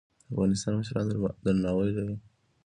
د افغانستان مشران درناوی لري